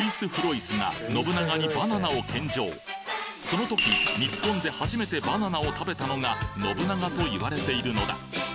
宣教師その時日本で初めてバナナを食べたのが信長と言われているのだ